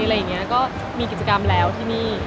อะไรอย่างนี้ก็มีกิจกรรมแล้วที่นี่